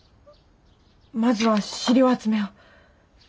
まずは資料集めを。